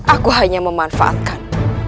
aku hanya memanfaatkan